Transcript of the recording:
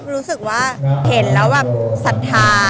รู้สึกว่าเห็นแล้วสัทธา